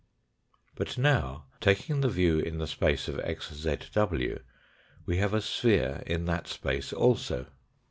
But now, taking the view in the space of xzw. we have a sphere in that space also.